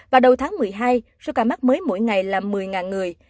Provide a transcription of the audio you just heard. vào đầu tháng một mươi hai sức ca mắc mới mỗi ngày là một mươi người